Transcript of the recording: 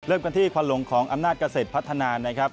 เริ่มกันที่ควันหลงของอำนาจเกษตรพัฒนานะครับ